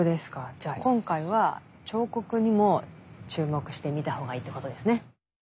じゃあ今回は彫刻にも注目して見たほうがいいってことですね。